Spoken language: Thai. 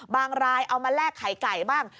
รายเอามาแลกไข่ไก่บ้าง